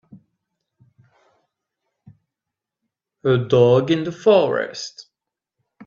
A dog in the forest.